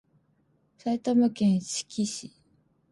埼玉県志木市